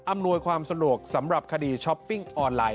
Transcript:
อำนวยความสะดวกสำหรับคดีช้อปปิ้งออนไลน